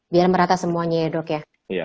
biar merata semuanya ya dok ya